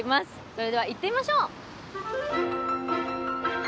それでは行ってみましょう。